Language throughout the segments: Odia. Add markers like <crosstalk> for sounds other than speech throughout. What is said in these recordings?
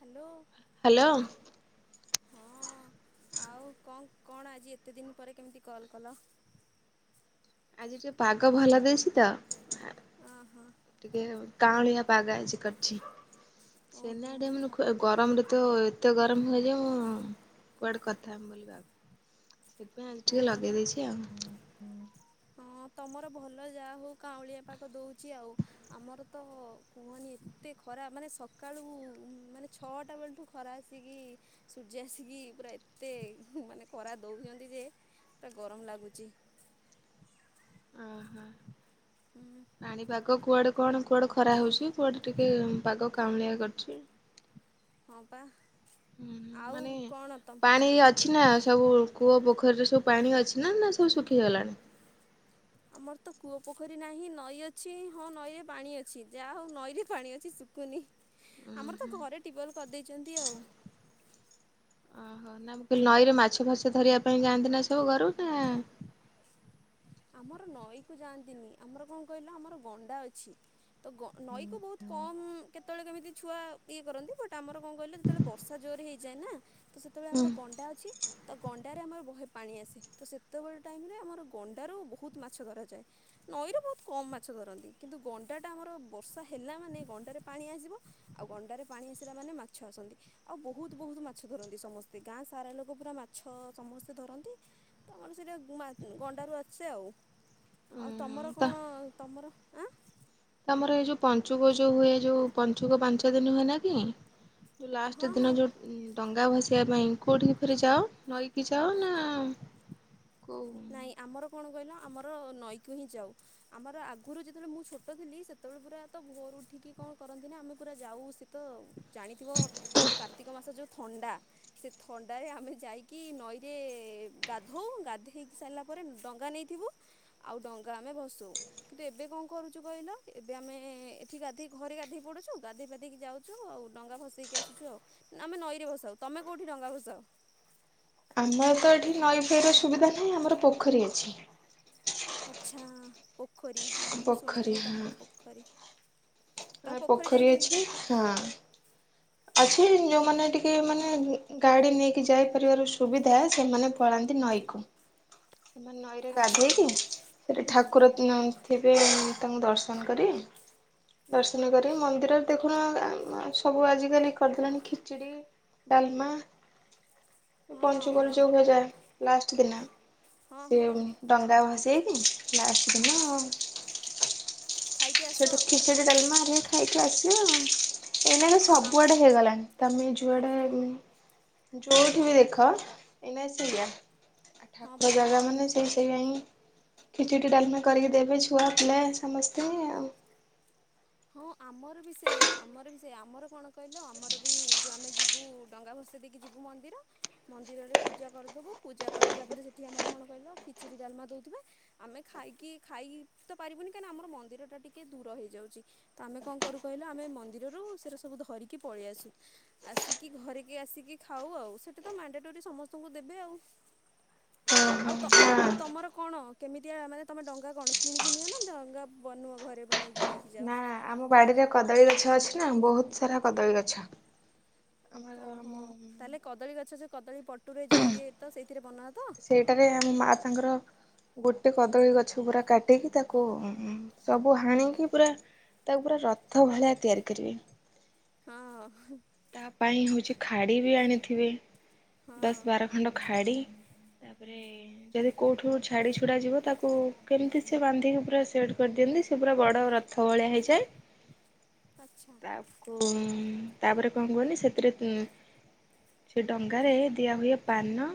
ହ୍ୟାଲୋ। ହ୍ୟାଲୋ। ହଁ ଆଉ କଣ କଣ ଆଜି ଏତେ ଦିନ ପରେ କେମିତି କଲ୍ କଲ। ଆଜି ଟିକେ ପାଗ ଭଲ ଦେଇଛି ତ। ଓ ହୋ। ଟିକେ କାଁଳିଆ ପାଗ ଆଛି କରିଛି ଓହୋ ସେନା ଆଡୋନେ <unintelligible> ହଁ ଗରମରେ ତ ଏତେ ଗରମ ହୁଏଯାଏ ମୁଁ କୁଆଡେ କଥା ହେବ ବୋଲି ସେଥିପାଇଁ ଆଜି ଟିକେ ଲଗେଇ ଦେଇେଇଛି ଆଉ। ହ ହଁ ତମର ଭଲ ଯାହା ହଉ କାଉଁଳିଆ ପାଖ ଦଉଛି ଆଉ। ଆମର ତ କୁହନି ଏତେ ଖରା ମାନେ ସକାଳୁ ମାନେ ଛଅଟା ବେଳଠୁ ଖରା ଆସିକି ସୂର୍ଯ୍ୟ ଆସିକି ପୁରା ଏତେ ମାନେ କର ଦଉଛନ୍ତି ଯେ ପା ଗରମ ଲାଗୁଛି। ଓହୋ। ହୁଁ। ପାଣି ପାଗ କୁଆଡେ କଣ କୁଆଡେ ଖରା ହଉଛି କୁଆଡେ ଟିକେ ପାଗ କାଉଁଳିଆ କରୁଛି। ହଁ ପା। ହଁ ଆଉ ମାନେ କଣ ତମ ପାଣି ଅଛି ନା ସବୁ କୂଅ ପୋଖରୀରେ ସବୁ ପାଣି ଅଛି ନା ନା ସବୁ ଶୁଖିଗଲାଣି। ଆମର ତ କୂଅ ପୋଖରୀ ନାହିଁ ନଈ ଅଛି ହଁ ନଈରେ ପାଣି ଅଛି ଯାହା ହଉ ନଈରେ ପାଣି ଅଛି କନି ଆମର ଓହୋ ତ ଘରେ ଟି ୱଲ୍ କରିଦେଇଛନ୍ତି ଆଉ। ଓହୋ ନା ମୁଁ କହିଲି ନଈରେ ମାଛ ଫର୍ସ ଧରିବା ପାଇଁ ଯାଆନ୍ତି ନା ସବୁ ଘରୁ ନା ଆମର ନଈକୁ ଯାଆନ୍ତିନି ଆମର କଣ କହିଲ ଆମର ଗଣ୍ଡା ଅଛି। ତ ନଈକୁ ବହୁତ କମ କେତେବେଳେ କେମିତି ଛୁଆ ଇଏ କରନ୍ତି ବଟ ଆମର କଣ କହିଲ ଯେତେବେଳେ ବର୍ଷା ଜୋର ହେଇଯାଏ ନା। ତ ସେତେବେଳେ ଆମର ଗଣ୍ଡା ଅଛି ତା ଗଣ୍ଡାରେ ଆମର ବହେ ପାଣି ଆସେ ତ ସେତେବେଳେ ଟାଇମରେ ଆମର ଗ ତାରୁ ବହୁତ ମାଛ ଧରାଯାଏ। ନଈରୁ ବହୁତ କମ୍ ମାଛ ଧରନ୍ତି କିନ୍ତୁ ଗଣ୍ଡାଟା ଆମର ବର୍ଷା ହେଲା ମାନେ ଗଣ୍ଡାରେ ପାଣି ଆସିବ। ଆଉ ଗଣ୍ଡାରେ ପାଣି ଆସିଲା ମାନେ ମାଛ ଆସନ୍ତି। ଆଉ ବହୁତ ବହୁତ ମାଛ ଧରନ୍ତି ସମସ୍ତେ ଗାଁ ସାରା ଲୋକ ପୁରା ମାଛ ସମସ୍ତେ ଧରନ୍ତି। ତମର ସେଇଟା ଗଣ୍ଡାରୁ ଅଛି। ସେ ଆଉ ଆଉ ଉୁଁ ତମର ତ କଣ ତମର ଆଁ। ତମର ଏଇ ଯୋଉ ପଞ୍ଚୁକ ଯୋଉ ହୁଏ ଯୋଉ ପଞ୍ଚୁକ ପାଞ୍ଚ ଦିନ ହୁଏ ନା କି? ଉ ଲାଷ୍ଟ ହଁ ଦିନ ହଁ ଯେଉ ଡଙ୍ଗା ଭସିବା ପାଇଁ କେଉଁଠି କି ଫରି ଯାଅ ନଈକି ଯାଅ ନା କଉ ନାଇଁ ଆମର କଣ କହିଲ ଆମର ନଈକୁ ହିଁ ଯାଉ। ଆମର ଆଗରୁ ଯେତେବେଳେ ମୁଁ ଛୋଟ ଥିଲି ସେତେବେଳେ ପୁରା ତ ଭୋର ଉଠିକି କଣ କରନ୍ତି ନା ଆମେ ପୁରା ଯାଉ, ତ ଜାଣିଥିବ ଯୋଉ କାର୍ତ୍ତିକ ମାସ ଯୋଉ ଥଣ୍ଡା ସେ ଥଣ୍ଡାରେ ଆମେ ଯାଇକି ନଈରେ ଗାଧଉ ଗାଧୋଇକି ସାରିଲା ପରେ ଡଙ୍ଗା ନେଇଥିବୁ ଆଉ ଡଙ୍ଗା ଆମେ ଭାଷୌ ୟୁ। କିନ୍ତୁ ଏବେ କଣ କରୁଛୁ କହିଲ ଏବେ ଆମେ ଏଠି ଗାଧୋଇ ଘରେ ଗାଧେଇ ପଡୁଛୁ ଗାଧୋଇାଧେଇକି ଯାଉଛ ଆଉ ଡଙ୍ଗା ଖସେଇକି ଆସୁଛୁ ଆଉ ଆମେ ନଈରେ ବସାଅ ତମେ କୋଉଠି ଡା ଭସାଅ। ଆମର ତ ଏଠି ନଈ ଫଇର ସୁବିଧା ନାହିଁ ଆମର ପୋଖରୀ ଅଛି। ଆଚ୍ଛା ପୋଖରୀ ହଁ ମୁଁ ପୋଖରୀ ଶୁଣିଥିଲି ହଁ। ତମର ପୋଖରୀ ତ ଆ ପୋଖରୀ ଯାଇକି ଅଛି ହଁ ଅଛି ଯୋଉମାନେ ଟିକେ ମାନେ ଗାଡ଼ି ନେଇକି ଯାଇପାରିବାର ସୁବିଧା ସେମାନେ ପଳାନ୍ତି ନଈକୁ। ସେମାନେ ନଈରେ ଆଚ୍ଛା ଗାଧୋଇକି ସେଇଠି ହୁଁ ଠାକୁର ଥିବେ ତାଙ୍କୁ ଦର୍ଶନ କରି ଦର୍ଶନ କରି ମନ୍ଦିରରେ ଦେଖୁନ ସବୁ ଆଜିକାଲି କରିଦେଲାଣି ଖିଚୁଡି। ଡାଲମା ହଁ ପଞ୍ଚଗୋଲ ହଁ ଯୋଉ ହୁଯାଏ ଲାଷ୍ଟ ଦିନ। ହଁ ସେ ହଁ ହଁ ଡଙ୍ଗା ଭସେଇକି ଲାଷ୍ଟ କୁ ଖାଇକି ଆସ ସେଟୁ ଆଉ ଖିଚଡ଼ି ଡାଲିମାାରିକି ଖାଇକି ଆସିବ ଆଉ। ଏଇ ହଁ ନଲେ ଆ ସବୁଆଡେ ହେଇଗଲାଣି। ତମେ ହଁ ଯୁଆଡ଼େ ଯେଉଁଠି ବି ଦେଖ ଏଇନା ସେଇଆ। ହଁ ଠାିବା ବା ଜାଗା ମାନେ ସେ କାଇଁ ଖିଚୁଟି ଡାଲମାେ କରିକି ଦେବେ ଛୁଆ ପିଲା ସମସ୍ତେ ଆଉ। ହଁ ଆମର ବି ସେଇଆ ଆମର ବି ସେଇ ଆମର କଣ କହିଲ ଆମର ବି ଯୋଉ ଆମେ ଯ ଯିବୁ ଡଙ୍ଗା ଭସେଇ ଦେଇକି ଯିବୁ ମନ୍ଦିର। ମନ୍ଦିରରେ ପୂଜା କରୁଥିବୁ ସେଠୀ ଆମର ଖିଚିର ଡାଲମା ଦାଉଥିବେ। ଆମେ ଖାଇକି ଖାଇ ତ ପାରିବୁନି କାହିଁକି ନା ଆମର ମନ୍ଦିର ଟା ଟିକେ ଦୂର ହେଇଯାଉଛି। ତ ଆମେ କଣ କରୁ କହିଲା ଆମେ ମନ୍ଦିରରୁ ସେଟା ସବୁ ଧରିକି ପଳେଇ ଆସୁ। ଆସିକି ଘରିକି ଆସିକି ଖାଉ ଆଉ ସେଟା ତ ମାଡି ଟୋରି ସମସ୍ତଙ୍କୁ ଦେବେ ଆଉ। ହଁ। ଆଉ ଓହୋ ଆଉ ତମର କଣ କେମିତିଆ ମାନେ ତମେ ଡଙ୍ଗା କଣ କିଣିକିିନଅ ନା ଡଙ୍ଗା ବନୁ ଘରେ। ବନେକି ନେଇକି ଯାଅ। ନା ଆମ ବାଡିରେ କଦଳୀ ଗଛ ଅଛି ନା ବହୁତ ସାରା କଦଳୀ ଗଛ। ଆମର ଓହୋ ଆମ ତାହେଲେ କଦଳୀ ଗଛ ଯୋଉ କଦଳୀ ପଟୁରେ ଯୋଉ ଇଏ ତ ସେଇଥିରେ ବ ନା ତ। ସେଇଟାରେ ଆମ ମା ତାଙ୍କର ଗୋଟେ କଦଳୀ ଗଛ ପୁରା କାଟିକି ତାକୁ ସବୁ ହାଣିକି ପୁରା ତାକୁ ପୁରା ରଥ ଭଳିଆ ତିଆରି କରିବେ। ହଁ। ତା ପାଇଁ ହେଉଛି ଖାଡ଼ି ବି ଆଣିଥିବେ ଦଶ ହଁ ବାର ଖଣ୍ଡ ଖାଡ଼ି। ହଁ। ଯଦି କୋଉଠୁ ଛାଡି ଛୁଡା ଯିବ ତାକୁ କେମିତି ସେି ବାନ୍ଧିକି ପୁରା ସେଟ୍ କରିଦିଅନ୍ତି ସେ ପୁରା ବଡ଼ ର ଥ ଭଳିଆ ହେଇଯାଏ ଆଚ୍ଛା ତାକୁ ତାପରେ କଣ କୁହନି ସେଥିରେ ସେ ଡଙ୍ଗାରେ ଦିଆହୁଏ ପାନ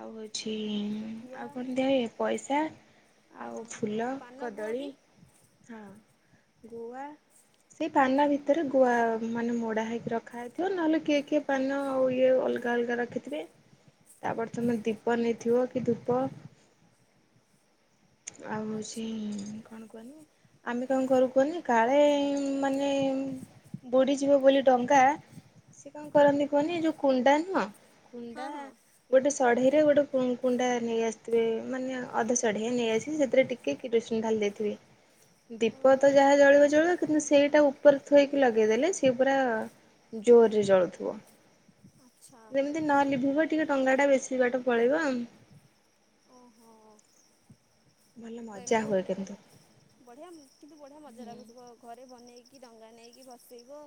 ଆଉ ହେଉଛି ହଁ ଗୁଆ ଆଉ କଣ ଦିଏ ପଇସା ଆଉ ହଁ ଫୁଲ ପାନ ଗୁଆ କଦଳୀ ବି ହଁ ଗୁଆ ସେଇ ପାନ ଭିତରେ ଗୁଆ ମାନେ ମୋ ରଖା ହେଇଥିବ ନହେଲେ କିଏ କିଏ ପାନ ଆଉ ଇଏ ଅଲଗା ଅଲଗା ରଖିଥିବେ। ତାପରେ ତମେ ଦୀପ ନେଇଥିବ କି ଧୂପ ଆଚ୍ଛା ନା <unintelligible> ଆମେ କଣ ଘର କୁହନି କାଳେ ମାନେ ବୁଡିଯିବ ବୋଲି ଡଙ୍ଗା ସେ କଣ କରନ୍ତି କୁହନି ଏ ଯୋଉ କୁଣ୍ଡା ନୁହଁ କୁଣ୍ଡା ହଁ ହଁ ଗୋଟେ ସଢେଇ ରେ ଗୋଟେ କୁଣ୍ଡା ନେଇ ଆସିଥିବେ ମାନେ ଅଧ ସଢେଇ ଢ ନେଇ ଆସି ସେଥିରେ ଟିକେ କୀଟନ ଢାଲି ଦେଇଥିବେ ଦୀପ ଓହୋ ତ ଯାହା ଜଳିବ ଜଳିବ କିନ୍ତୁ ସେଇଟା ଉପରେ ଥୋଇକି ଲଗେଇଦେଲେ ସେ ପୁରା ଜୋର ରେ ଜଳୁଥିବ। ଆଚ୍ଛା। ତି ନ ଲିଭିବ, ଟିକେ ଡଙ୍ଗା ଟା ବେଶୀ ବାଟ ପଳେଇବ। ଓହୋ। ଭଲ ତ ମଜା ଏମିତି ହୁଏ ହେଲେ ଆ କିନ୍ତୁ। ବଢିଆ କିନ୍ତୁ ବଢିଆ ମଜା ହୁଁ ଲାଗୁଥିବ। ଘରେ ବନେଇକି ଡଙ୍ଗା ନେଇକି ଭସେଇବ,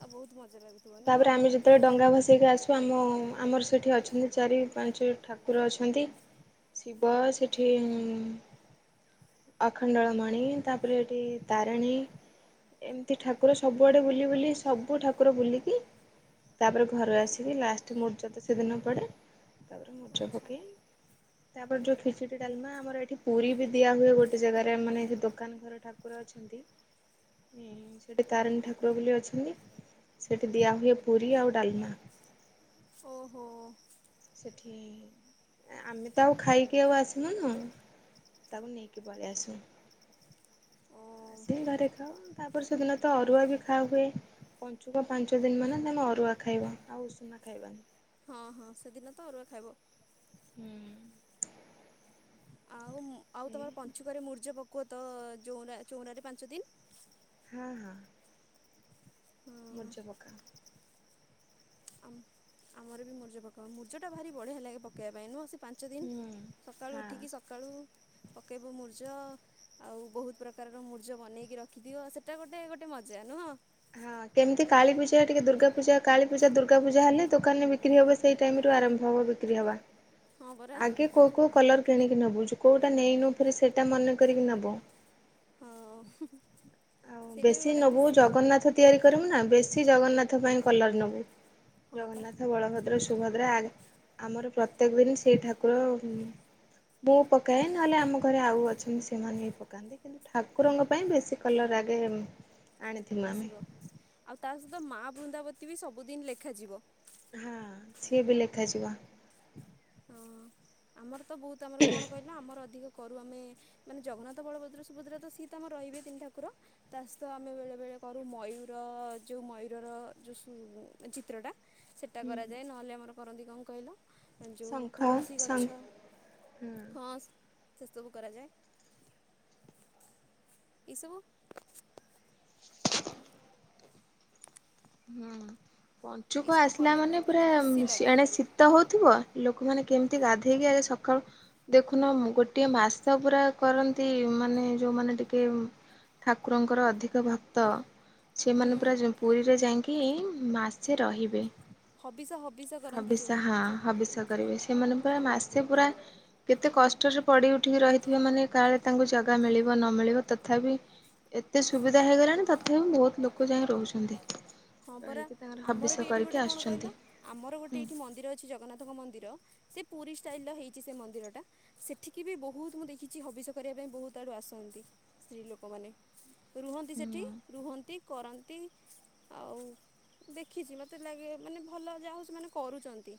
ଆଉ ବହୁତ ମଜା ଲାଗୁଥିବ। ନୁହଁ ତାପରେ ଆମେ ଯଦି ଯେତେବେଳେ ଡଙ୍ଗା ଭସେଇକି ଆସୁ ଆମ ଆମର ସେଠି ଅଛନ୍ତି ଚାରି ପାଞ୍ଚେ ଠାକୁର ଅଛନ୍ତି। ଶିବା ସେଠି ହିଁଆଖଣ୍ଡଳ ମଣି ତା ପରେ ହେଟି ତାରିଣି। ଏମତି ଠାକୁର ସବୁଆଡେ ବୁଲି ବୁଲି ସବୁ ଠାକୁର ବୁଲିକି ତାପରେ ଘରୁ ଆସିକି ଲାଷ୍ଟ ମୁରଜ ତ ସେଦିନ ପଡେ। ତାପରେ ମୁରୁଜ ଆଚ୍ଛା ପକେଇ ତାପରେ ଯୋଉ ଖିଚିଡି ଡାଲ୍ମା, ଆମର ଏଠି ପୁରୀ ବି ଦିଆ ହୁଏ ଗୋଟ୍ ଗୋଟେ ଜାଗାରେ ମାନେ ଦୋକାନ ଘର ଠାକୁର ଅଛନ୍ତି ମେଁ ସେଇଠି ତାରିଣୀ ଠାକୁର ବୋଲି ଅଛନ୍ତି। ସେଇଠି ଦିଆ ହୁଏ ପୁରୀ ଆଉ ଡ଼ାଲ୍ମା। ଓହୋ। ସେଠି ଆମେ ତ ଆଉ ଖାଇକି ଆଉ ଆସିମୁଁନୁ, ତାକୁ ନେଇକି ପଳେଇ ଆସୁ। ଓ ଆସିକି ଘରେ ଖାଉ। ତାପରେ ସେଦିନ ତ ଅରୁଆ ବି ଖାଆହୁଏ। ପଞ୍ଚୁକ ପାଞ୍ଚ ଦିନ ମାନେ, ତମେ ଅରୁଆ ଖାଇବ। ଆଉ ଉଷୁନା ଖାଇବାନି। ହଁ ହଁ ସେଦିନ ତ ଅରୁଆ ଖାଇବ। ହୁଁ। ଆଉ ଆଉ ଏ ତମର ପଞ୍ଚୁକରେ ମୁର୍ଜ ପକୁଅତ ଯଉଁରା ଚଉଁରାରେ ପାଞ୍ଚ ଦିନ୍। ହଁ ହଁ। ମୁର୍ଜ ହଁ ପକାହବ। ଆମର ବି ମୁର୍ଜ ପକାଉ। ମୁର୍ଜଟା ଭାରି ବଢ଼ିଆ ଲାଗେ ପକେବା ପାଇଁ ନୁହଁ, ସେ ପାଞ୍ଚ ଦିନ୍। ହୁଁ ସକାଳୁ ହଁ। ଉଠିକି ସକ୍ ସକାଳୁ ପକେଇବ ମୁର୍ଜ। ଆଉ ବହୁତ୍ ପ୍ରକାରର ମୁର୍ଜ ବନେଇକି ରଖିଥିବ। ସେଟା ଗୋଟେ ଗୋଟେ ମଜା ନୁହଁ? ହଁ କେମ୍ତି କାଳୀପୂଜା ଟିକେ ଦର୍ଗାପୂଜା କାଳୀପୂଜା ଦୁର୍ଗାପୂଜା ହେଲେ ଦୋକାନ୍ ରେ ବିକ୍ରି ହବ ସେଇ ଟାଇମ୍ ରୁ ଆରମ୍ଭ ହବ ବିକ୍ରି ହବା। ହଁ ପରା ଆଗେ କୋଉ କୋଉ କଲର୍ କିଣିକି ନବୁ। ଯୋ କୋଉଟା ନେଇନୁ ଫେରେ ସେଇଟା ମନେ କରିକି ନବୁ। ଓହୁଁ। ଆଉ ବେଶୀ ନବୁ ଜଗନ୍ନାଥ ତିଆରି କରିବୁ ନାଁ, ବେଶୀ ଜଗନ୍ନାଥ ପାଇଁ କଲର୍ ନବୁ। ହଁ ପା ଜଗନ୍ନାଥ ବଳଭଦ୍ର ସୁ ସୁଭଦ୍ରା ଆଗ୍- ଆମର ପ୍ରତ୍ୟେକ୍ ଦିନ ସେଇ ଠାକୁର ଉଁ ବୋଉ ପକାଏ ହଉ ନହେଲେ ଆମ ଘରେ ଆଉ ଅଛନ୍ତି ସେମାନେ ବି ପକାନ୍ତି, କିନ୍ତୁ ଠାକୁରଙ୍କ ପାଇଁ ବେଶୀ କଲର୍ ଆଗେ ଆଣିଥିଲୁ ଆମେ ଆସିବ। ଆଉ ତା ସହିତ ମା ବୃନ୍ଦାବତୀ ବି ସବୁଦିନ୍ ଲେଖାଯିବ। ହଁ। ସିଏ ବି ଲେଖାଯିବ। ହଁ, ଆମର ତ ବହୁତ୍ ଆମର କଣ କହିଲ ଆମର ଅଧିକ କରୁ ଆମେ ମାନେ ଜଗନ୍ନାଥ, ବଳଭଦ୍ର, ସୁଭଦ୍ରା ତ ସିଏ ତ ଆମ ରହିବେ ତିନି ଠାକୁର ତା ସହିତ ଆମେ ବେଳେବେଳେ କରୁ ମୟୂର ଯୋଉ ମୟୂରର ଯୋଉ ସୁ ଚିତ୍ରଟା ସେଟା ହୁଁ କରାଯାଏ ନହେଲେ ଆମର କରନ୍ତି କଣ କହିଲ, ଯୋଉ ଶଙ୍ଖ ତୁଳସୀ ଗ ଛ। ଶଙ୍ଖ ହଁ। ସେ ସବୁ କରାଯାଏ। ଏସବୁ ହୁଁ। ପଞ୍ଚୁକ ଏଇସବୁ ଆସିଲା କଲେ ବହୁତ ମାନେ ପୁରା ଖୁସି ଲାଗେ ସିଆଡ଼େ ଶୀ ତ ହଉଥିବ। ଲୋକମାନେ କେମ୍ତି ଗାଧେଇକି ଆଗେ ସକାଳୁ ଦେଖୁନ, ମୁଁ ଗୋଟିଏ ମାସ ପୁରା କରନ୍ତି ମାନେ ଯୋଉମାନେ ଟିକେ ଠାକୁରଙ୍କର ଅଧିକ ଭକ୍ତ, ହୁଁ ସେମାନେ ପୁରା ଯଁ ପୁରୀ ରେ ଯାଇଁକି ମାସେ ରହିବେ। ହବିଷ ହବିଷ କରନ୍ତି ଯେଉଁ ହବିଷ ହଁ ହବିଷ କରିବେ। ସେମାନେ ପୁରା ମାସେ ପୁରା କେତେ କଷ୍ଟରେ ପଡି ଉଠିକି ରହିଥିବେ, ମାନେ କାଳେ ତାଙ୍କୁ ଜାଗା ମିଳିବ ନ ମିଳିବ ତଥାପି ଏତେ ସୁବିଧା ହେଇଗଲାଣି, ତଥାପି ବହୁତ୍ ଲୋକ ଯାଇଁ ରହୁଛନ୍ତି। ହଁ ପରା। ରହିକି ତାଙ୍କର ଆମର ବି ହବିଷ ଏଇଠି କରିକି ଗୋଟେ କଣ ଆସୁଛନ୍ତି। କହିଲ, ଆମର ଗୋଟେ ହୁଁ ଏଇଠି ମନ୍ଦିର ଅଛି ଜଗନ୍ନାଥଙ୍କ ମନ୍ଦିର୍ ର, ସେ ପୁରୀ ଷ୍ଟାଇଲ୍ ର ହେଇଛି ସେ ମନ୍ଦିରଟା ସେଠିକି ବି ବହୁତ୍ ମୁଁ ଦେଖିଚି ହବିଷ କରିବା ପାଇଁ ବହୁତ୍ ଆଡୁ ଆସନ୍ତି, ସ୍ତ୍ରୀ ଲୋକମାନେ। ରୁହନ୍ତି ସେଠି। ରୁହନ୍ତି କରନ୍ତି। ଆଉ ଦେଖିଛି ମତେ ଲାଗେ ମାନେ ଭଲ ଯାହା ହେଉ ସେମାନେ କରୁଚନ୍ତି।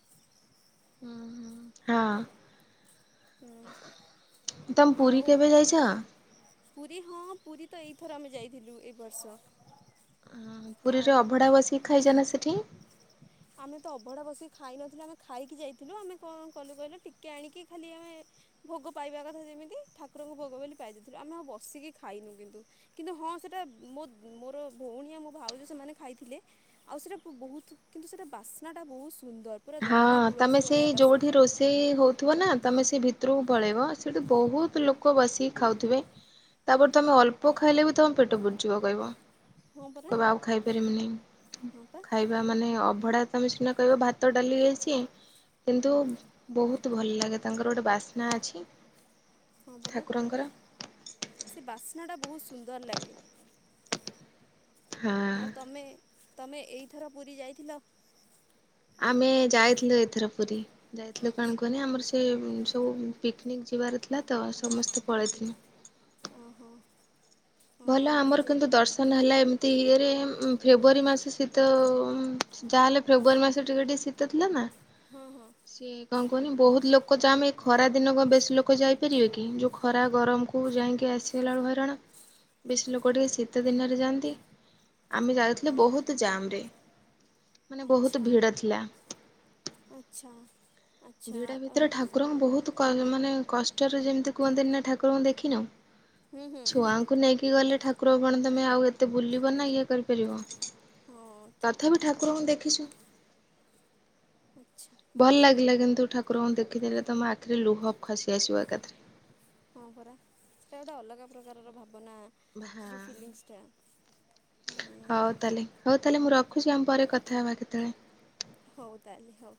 ହୁଁ ହୁଁ ହଁ। ହୁଁ, ତମେ ପୁରୀ ଆଉ କେବେ ଯାଇଛ? ପୁରୀ ହଁ, ପୁରୀ ତ ଏଇଥର ଆମେ ଯାଇଥିଲୁ, ଏଇ ବର୍ଷ। ଅଁ ପୁରୀରେ ଆଉ ଅଭଢ଼ା ବସିକି ଖାଇଛା ନା ସେଠି? ଆମେ ତ ଅଭଢ଼ା ବସିକି ଖାଇନଥିଲୁ ଆମେ ଖାଇକି ଯାଇଥିଲୁ, ଆମେ କଣ କଲୁ କହିଲ, ଟିକେ ଆଣିକି ଖାଲି ଆମେ ଭୋଗ ପାଇବା କଥା ଯେମିତି, ଠାକୁରଙ୍କୁ ଭୋଗ ବୋଲି ପାଇଦେଇଥିଲୁ। ଆମେ ଆଉ ବସିକି ଖାଇନୁ କିନ୍ତୁ। କିନ୍ତୁ ହଁ ସେଟା ମୋ ମୋର ଭଉଣୀ ଆଉ ମୋ ଭାଉଜ ସେମାନେ ଖାଇଥିଲେ। ଆଉ ସେଇଟା ବହୁତ କିନ୍ତୁ ସେଇଟା ବାସ୍ନାଟା ବହୁତ ସୁନ୍ଦର। ପୁରା ହଁ ଦୟଣା ତମେ ତୁଳସୀ ସେଇ ଭଳିଆ ବାସେ ଯୋଉଠି ରୋଷେଇ ହ ଥିବ ନା, ତମେ ସେ ଭିତରକୁ ପଳେଇବ ସେଇଟ ବହୁତ ଲୋକ ବସିକି ଖାଉଥିବେ। ତାପରେ ତମେ ଅଲ୍ପ୍ ଖାଇଲେ ବି ତମ ପେଟ ପୁରି ଯିବ କହିବ। ହଁ ପରା କହିବା ଆଉ ଖାଇପାରିମିନି। ହଁ ପା ଖାଇବା ମାନେ ଅଭଡା ତମେ ସିନା କହିବା ଭ ଭାତ ଡାଲି ହେଇଛି। କିନ୍ତୁ ବହୁତ ଭଲ ଲାଗେ, ତାଙ୍କର ଗୋଟେ ବାସ୍ନା ଅଛି। ହଁ ପରା। ଠାକୁରଙ୍କର ସେ ବାସ୍ନା ଟା ବହୁତ ସୁନ୍ଦର ଲାଗେ। ଆଉ ହଁ। ତମେ ତମେ ଏଇଥର ପୁରୀ ଯାଇଥିଲ? ଆମେ ଯାଇଥିଲୁ ଏଥର ପୁରୀ। ଯାଇଥିଲୁ ଆଚ୍ଛା କଣ କୁହନି ଆମର ସେ ସବୁ ପିକ୍ନିକ୍ ଯିବାର ଥିଲା ତ, ସମସ୍ତେ ପଳେଇଥିନୁ। ଓହୋ। ହଁ ଭଲ ଆମେ ବି ଆମର କିନ୍ତୁ ଯାଇଥିଲୁ ଦର୍ଶନ ହେଲା ଏମିତି ଇଏରେ, ଫେବୃଆରୀ ମାସ ଶୀତ ଯାହାହେଲେ ଫେବୃୟାରୀ ମାସ ଟିକେ ଟିକେ ଶୀତ ଥିଲା ନା। ହଁ ହଁ। ସିଏ କଣ କୁହନି, ବହୁତ ଲୋକ ଯା ଆମେ ଏ ଖରା ଦିନକ ବେଶୀ ଲୋକ ଯାଇପାରିବେ କି? ଯୋଉ ଖରା ଗରମ କୁ ଯାଇକି ଆସିଗଲା ବଳକୁ ହଇରାଣ। ବେଶି ଲୋକ ଟିକେ ଶୀତ ଦିନରେ ଯାଆନ୍ତି। ଆମେ ଯାଉଥିଲେ ହଁ ବହୁତ ଜାମ ରେ, ମାନେ ବହୁତ ଆଚ୍ଛା ଭିଡ ଥିଲା। ଆଚ୍ଛା। ଆଚ୍ଛା ଭିଡ ଭିତରେ ଅମ୍, ଠାକୁରଙ୍କ ବହୁତ କ ମାନେ କଷ୍ଟରେ ଯେମିତି କୁହନ୍ତିନି ନା ଠାକୁରଙ୍କୁ ଦେଖିନ? ହୁଁ ହୁଁ ଛୁଆ। କୁ ନେଇକି ଗଲେ ଠାକୁର କଣ ତମେ ଆଉ ଏତେ ବୁଲିବ ନା ଇଏ କରିପାରିବ। ହଁ ଠିକ୍ ତଥାପି କଥା ଠାକୁରଙ୍କୁ ଦେଖିଛୁ। ଆଚ୍ଛା। ଭଲ ଲାଗିଲା କିନ୍ତୁ ଠାକୁରଙ୍କୁ ଦେଖିଥିଲେ ତମ ଆଖିରେ ଲୁହ ଖସି ଆସିବ ଏକାଥରେ। ହଁ ପରା, ସେଇଟା ଗୋଟେ ଅଲଗା ପ୍ରକାରର ଭାବନା। ସେ ଯେଉଁ ଫିଲିଂସ୍ଟା। ହୁଁ। ହଉ ତାହେଲେ ହଉ ତାଲେ ମୁଁ ରଖୁଛି, ଆମ ପରେ କଥା ହେବା କେତେବେଳେ। ହଉ ତାଲେ ହଉ।